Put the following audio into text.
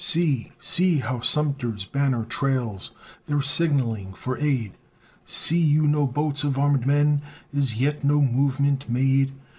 "See, see, how Sumter's banner trails, They're signalling for aid. See you no boats of armed men? Is yet no movement made?"